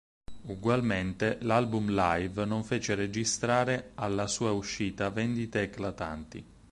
Ugualmente, l'album "live" non fece registrare alla sua uscita vendite eclatanti.